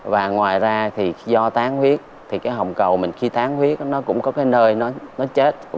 và ngoài ra thì do tán huyết thì cái hồng cầu mình khi tán huyết nó cũng có cái nơi nó chết